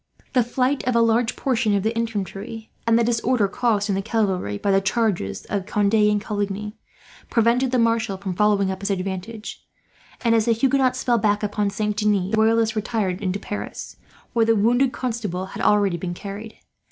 The flight of a large portion of the infantry, and the disorder caused in the cavalry by the charges of Conde and Coligny, prevented the Marshal from following up his advantage; and as the Huguenots fell back upon Saint Denis the Royalists retired into Paris, where the wounded Constable had already been carried.